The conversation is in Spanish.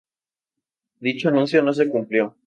Dicho anuncio no se cumplió.